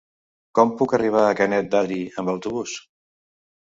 Com puc arribar a Canet d'Adri amb autobús?